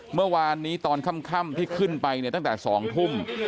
เมื่อวานนี้ตอนค่ำที่ขึ้นไปเนี่ยตั้งแต่๒ทุ่ม